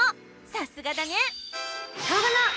さすがだね！